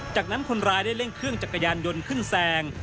จากนั้นคนร้ายได้เร่งเครื่องจักรยานยนต์ขึ้นแซง